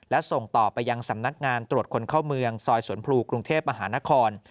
และส่งต่อไปยังสำนักงานตรวจคนเข้าเมืองซอยสวนพลูกรุงเทพมหานคร